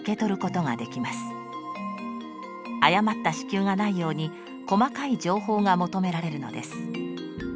誤った支給がないように細かい情報が求められるのです。